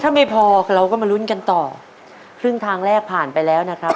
ถ้าไม่พอเราก็มาลุ้นกันต่อครึ่งทางแรกผ่านไปแล้วนะครับ